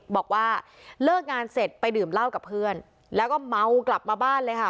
บอกว่าเลิกงานเสร็จไปดื่มเหล้ากับเพื่อนแล้วก็เมากลับมาบ้านเลยค่ะ